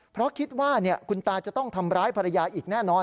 เพราะคิดว่าคุณตาจะต้องทำร้ายภรรยาอีกแน่นอน